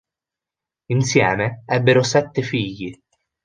Insieme ebbero sette figli.